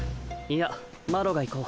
いやマロが行こう